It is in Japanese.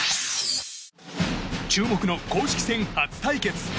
注目の公式戦初対決。